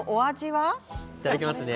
いただきますね。